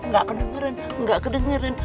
gak kedengeran gak kedengeran